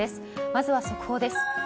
まずは、速報です。